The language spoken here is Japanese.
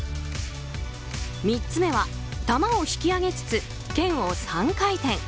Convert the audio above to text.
３つ目は、玉を引き上げつつけんを３回転。